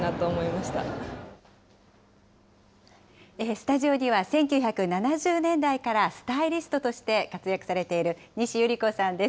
スタジオには、１９７０年代からスタイリストして活躍されている西ゆり子さんです。